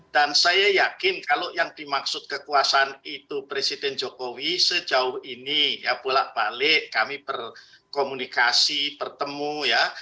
dan saya yakin kalau yang dimaksud kekuasaan itu presiden jokowi sejauh ini ya pulak balik kami berkomunikasi pertemu ya